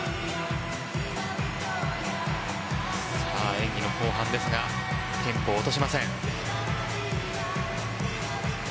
演技の後半ですがテンポを落としません。